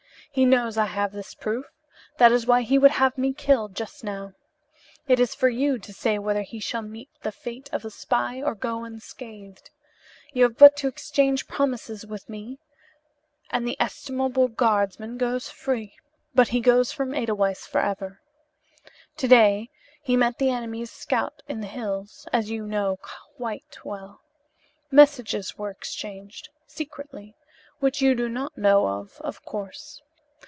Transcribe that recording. He knows I have this proof. That is why he would have killed me just now. It is for you to say whether he shall meet the fate of a spy or go unscathed. You have but to exchange promises with me and the estimable guardsman goes free but he goes from Edelweiss forever. To day he met the enemy's scouts in the hills, as you know quite well. Messages were exchanged, secretly, which you do not know of, of course.